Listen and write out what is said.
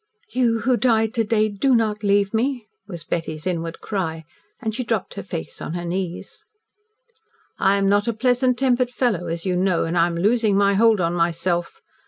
"You who died to day do not leave me," was Betty's inward cry, and she dropped her face on her knees. "I am not a pleasant tempered fellow, as you know, and I am losing my hold on myself.